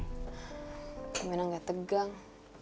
aku memang gak tegang